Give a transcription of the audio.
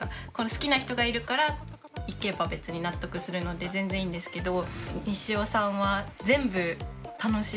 好きな人がいるから行けば別に納得するので全然いいんですけど。